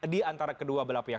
diantara kedua belah pihak